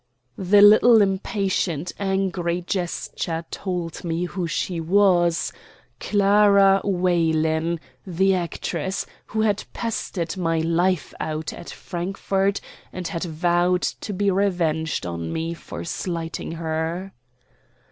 The little impatient angry gesture told me who she was Clara Weylin, the actress, who had pestered my life out at Frankfort and had vowed to be revenged on me for slighting her.